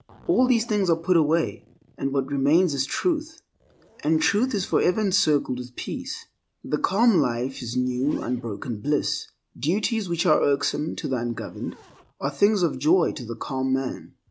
All these things are put away, and what remains is Truth, and Truth is forever encircled with peace. The calm life is new unbroken bliss. Duties which are irksome to the ungoverned are things of joy to the calm man.